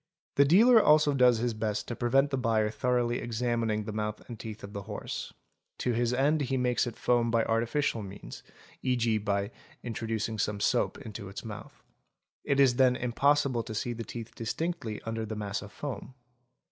. The dealer also does his best to prevent the buyer thoroughly ex | amining the mouth and teeth of the horse; to his end he makes it foam 7 by artificial means, e.g., by introducing some soap into its mouth; it is then impossible to see the teeth distinctly under the mass of foam.